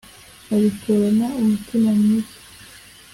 abikorana umutima mwiza.